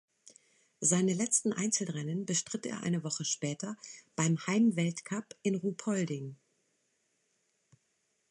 Seine letzten Einzelrennen bestritt er eine Woche später beim Heimweltcup in Ruhpolding.